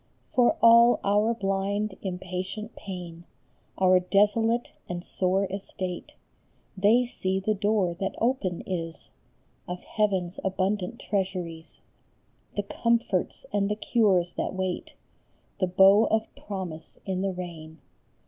For all our blind, impatient pain, Our desolate and sore estate, They see the door that open is Of Heaven s abundant treasuries, 140 CAN THEY BEAR IT IN HEAVEN? The comforts and the cures that wait The bow of promise in the rain.